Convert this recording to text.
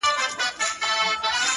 لاس زما مه نيسه چي اور وانـــخــلـې;